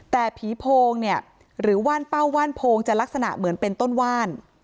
แต่ผีโพงเนี่ยหรือว่านเป้าว่านโพงจะลักษณะเหมือนเป็นต้นว่าน